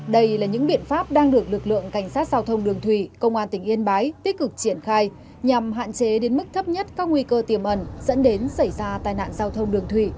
đây là những biện pháp đang được lực lượng cảnh sát giao thông đường thủy công an tỉnh yên bái tích cực triển khai nhằm hạn chế đến mức thấp nhất các nguy cơ tiềm ẩn dẫn đến xảy ra tai nạn giao thông đường thủy